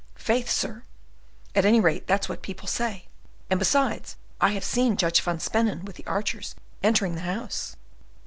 "Faith, sir, at any rate that's what people say; and, besides, I have seen Judge van Spennen with the archers entering the house."